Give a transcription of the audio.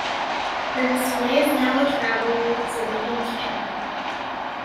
The display is now a traveling exhibit in Canada.